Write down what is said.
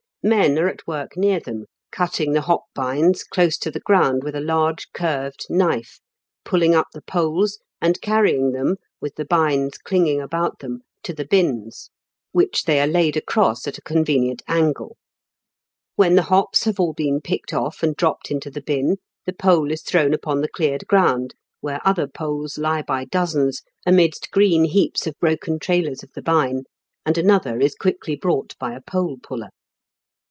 Men are at work near them, cutting the hop bines close to the ground with a large curved knife, pulling up the poles, and carrying them, with the bines clinging about them, to the binns, which they are laid across at a con venient angle. When the hops have all been picked off, and dropped into the binn, the pole is thrown upon the cleared ground, where other poles lie by dozens, amidst green heaps of broken trailers of the bine, and another is quickly brought by a pole puller.